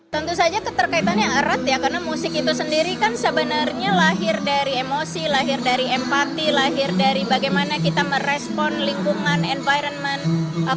tentu saja keterkaitannya erat ya karena musik itu sendiri kan sebenarnya lahir dari emosi lahir dari empati lahir dari bagaimana kita merespon lingkungan environment